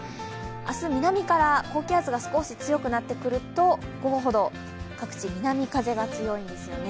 明日南から高気圧が少し強くなってくると、午後ほど各地南風が強いんですよね。